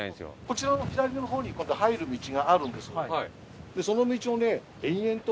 こちらの左の方に今度は入る道があるんですよ。